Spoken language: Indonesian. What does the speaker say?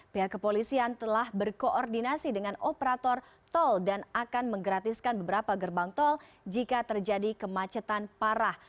pihak kepolisian telah berkoordinasi dengan operator tol dan akan menggratiskan beberapa gerbang tol jika terjadi kemacetan parah